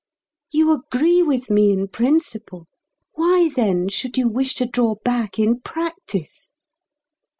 You agree with me in principle. Why then, should you wish to draw back in practice?"